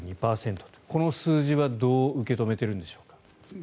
この数字はどう受け止めているんでしょう。